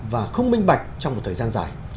và không minh bạch trong một thời gian dài